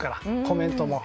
コメントも。